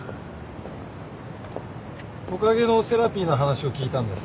トカゲのセラピーの話を聞いたんです。